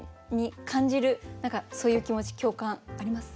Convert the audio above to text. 何かそういう気持ち共感あります？